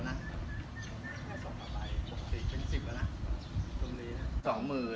แต่ว่าลูกสองเดียวก็ดี